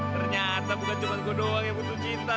ternyata bukan cuma gue doang yang butuh cinta